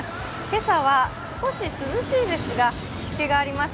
今朝は少し涼しいですが湿気があります。